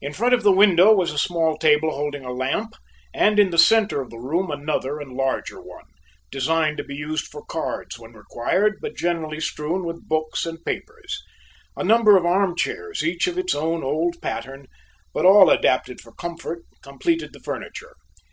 In front of the window was a small table holding a lamp, and in the centre of the room another and larger one, designed to be used for cards when required, but generally strewn with books and papers. A number of armchairs, each of its own old pattern, but all adapted for comfort, completed the furniture.